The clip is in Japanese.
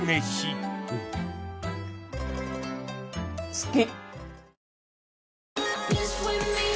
好き！